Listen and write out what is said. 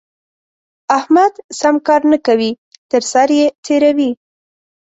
احمد سم کار نه کوي؛ تر سر يې تېروي.